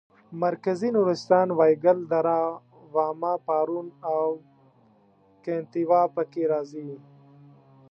مرکزي نورستان وایګل دره واما پارون او کنتیوا پکې راځي.